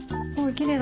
きれい？